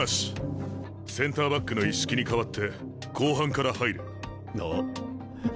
センターバックの一色に代わって後半から入れ。な？え？